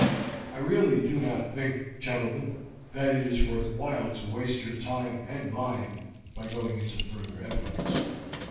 I really do not think, gentlemen, that it is worth while to waste your time and mine by going into further evidence."